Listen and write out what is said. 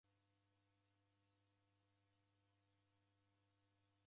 W'andu w'asinda ikanisenyi.